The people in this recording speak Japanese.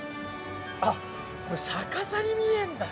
あっ逆さに見えんだ！